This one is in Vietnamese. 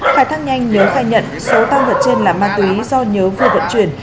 khai thác nhanh nhớ khai nhận số thang vật trên là ma túy do nhớ vừa vận chuyển